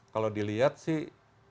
kalau dilihat sih